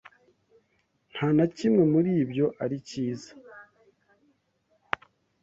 Nta na kimwe muri ibyo ari cyiza.